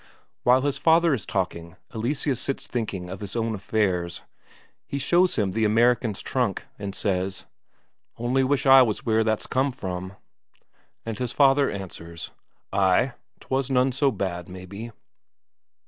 While his father is talking, Eleseus sits thinking of his own affairs. He shows him the American's trunk, and says: "Only wish I was where that's come from." And his father answers: "Ay, 'twas none so bad, maybe."